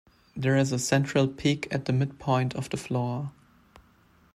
There is a central peak at the midpoint of the floor.